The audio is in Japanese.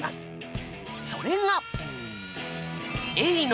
それが。